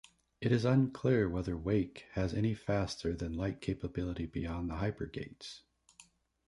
It is unclear whether Wake has any faster than light capability beyond the hypergates.